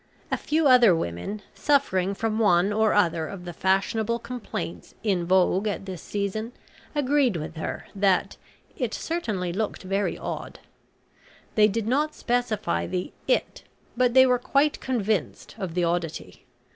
A few other women, suffering from one or other of the fashionable complaints in vogue at this season, agreed with her, that "it certainly looked very odd." They did not specify the "it," but they were quite convinced of the oddity.